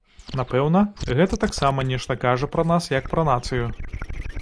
Напэўна, гэта таксама нешта кажа пра нас як пра нацыю.